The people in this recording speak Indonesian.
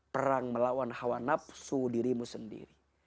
perang melawan hawa nafsu dirimu sendiri